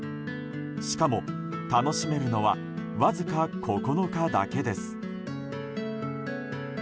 しかも、楽しめるのはわずか９日だけです。